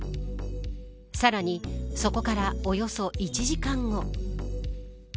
さらにそこからおよそ１時間後。